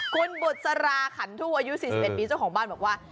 คุณบุษราขันทู่อายุ๔๑ปีเจ้าของบ้านบอกว่า